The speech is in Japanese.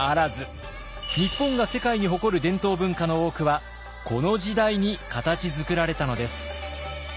日本が世界に誇る伝統文化の多くはこの時代に形づくられたのです。